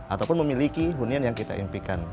ataupun memiliki hunian yang kita impikan